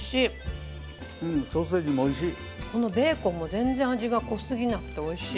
このベーコンも全然味が濃過ぎなくておいしい。